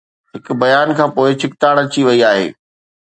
هڪ بيان کانپوءِ ڇڪتاڻ اچي وئي آهي